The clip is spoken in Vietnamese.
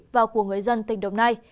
và của người dân tỉnh đồng nai